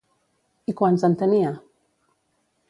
I quants en tenia?